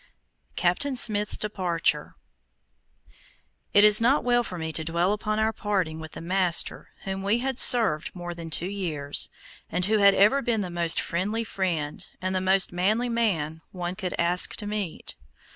CAPTAIN SMITH'S DEPARTURE It is not well for me to dwell upon our parting with the master whom we had served more than two years, and who had ever been the most friendly friend and the most manly man one could ask to meet.